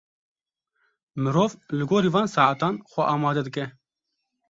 Mirov li gorî van saetan xwe amade dike.